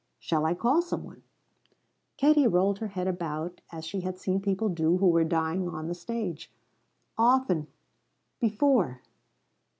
Shall I call some one?" Katie rolled her head about as she had seen people do who were dying on the stage. "Often before.